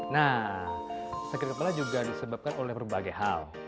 nah sakit kepala juga disebabkan oleh berbagai hal